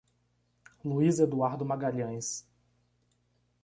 Luís Eduardo Magalhães